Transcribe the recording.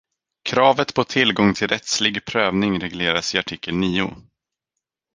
Kravet på tillgång till rättslig prövning regleras i artikel nio.